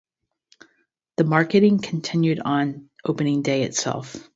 The marketing continued on opening day itself.